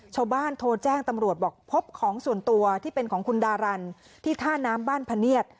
ชาวบ้านโทรแจ้งตำรวจบอกพบของส่วนตัวที่เป็นของคุณดารันที่ท่าน้ำบ้านพะเนียด